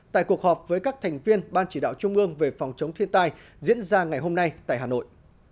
tại cuộc họp với các thành viên ban chỉ đạo trung ương về phòng chống thiên tai diễn ra ngày hôm nay tại hà nội